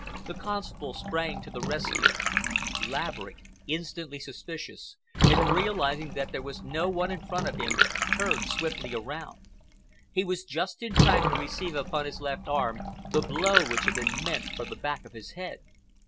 The constable sprang to the rescue. Laverick, instantly suspicious and realizing that there was no one in front of him, turned swiftly around. He was just in time to receive upon his left arm the blow which had been meant for the back of his head.